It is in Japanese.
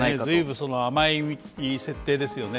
その甘い設定ですよね